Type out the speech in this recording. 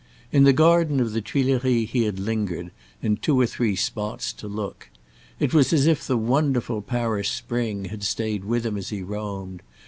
In the garden of the Tuileries he had lingered, on two or three spots, to look; it was as if the wonderful Paris spring had stayed him as he roamed.